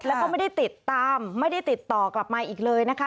แล้วก็ไม่ได้ติดตามไม่ได้ติดต่อกลับมาอีกเลยนะคะ